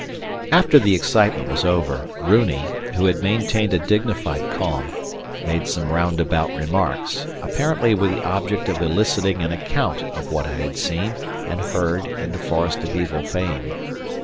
After the excitement was over, Runi, who had maintained a dignified calm, made some roundabout remarks, apparently with the object of eliciting an account of what I had seen and heard in the forest of evil fame.